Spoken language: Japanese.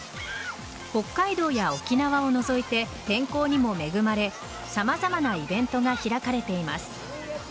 北海道や沖縄を除いて天候にも恵まれ様々なイベントが開かれています。